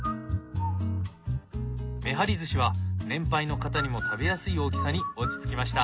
めはりずしは年配の方にも食べやすい大きさに落ち着きました。